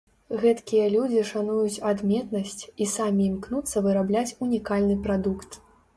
Гэткія людзі шануюць адметнасць, і самі імкнуцца вырабляць унікальны прадукт.